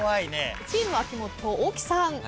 チーム秋元大木さん。